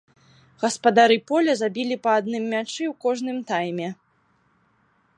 Гаспадары поля забілі па адным мячы ў кожным тайме.